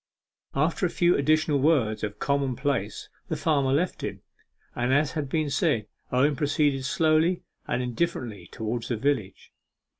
After a few additional words of common place the farmer left him, and, as has been said, Owen proceeded slowly and indifferently towards the village.